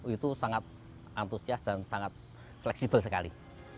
itu sangat antusias dan sangat fleksibel sekali